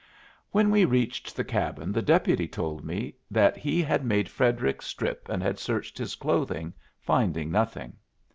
When we reached the cabin the deputy told me that he had made Frederic strip and had searched his clothing, finding nothing.